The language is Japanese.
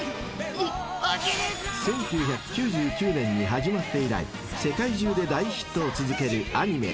［１９９９年に始まって以来世界中で大ヒットを続けるアニメ